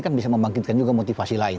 kan bisa membangkitkan juga motivasi lain